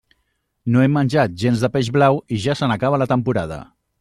No he menjat gens de peix blau i ja se n'acaba la temporada.